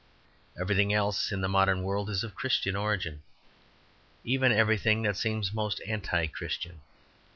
Everything else in the modern world is of Christian origin, even everything that seems most anti Christian.